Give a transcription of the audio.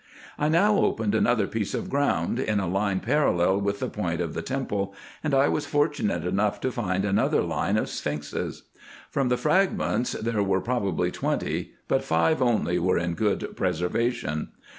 I now opened another piece of ground, in a line parallel with the point of the temple, and I was fortunate enough to find another line of sphinxes. From the fragments there were probably twenty, but five only were in good preservation.